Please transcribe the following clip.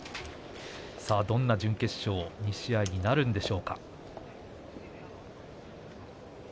さあどんな準決勝２試合になるでしょうか。